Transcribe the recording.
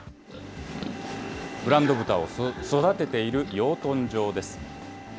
ブランド豚を育てている養豚場です。